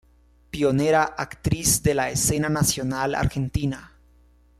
Pionera actriz de la escena nacional argentina.